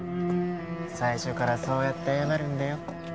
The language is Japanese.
最初からそうやって謝るんだよ。